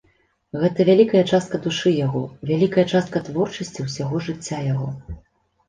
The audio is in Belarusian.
Гэта вялікая частка душы яго, вялікая частка творчасці ўсяго жыцця яго.